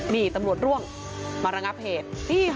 นี่ตำรวจร่วงมาระงับเหตุ